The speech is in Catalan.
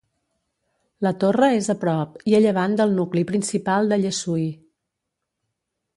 La Torre és a prop i a llevant del nucli principal de Llessui.